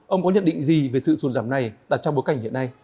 ông có nhận định gì về sự xuất giảm này trong bối cảnh hiện nay